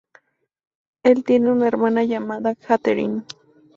Él tiene una hermana llamada Katherine.